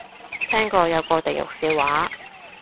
聽過有個地獄笑話